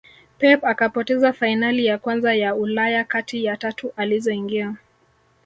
pep akapoteza fainali ya kwanza ya ulaya kati ya tatu alizoingia